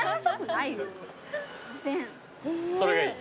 それがいい？